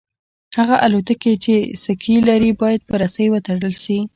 هغه الوتکې چې سکي لري باید په رسۍ وتړل شي